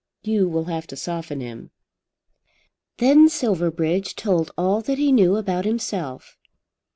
You will have to soften him." Then Silverbridge told all that he knew about himself.